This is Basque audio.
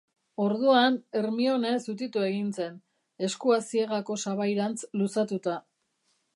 Orduan, Hermione zutitu egin zen, eskua ziegako sabairantz luzatuta.